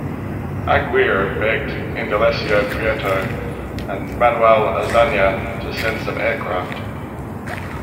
Aguirre begged Indalecio Prieto and Manuel Azaña to send some aircraft.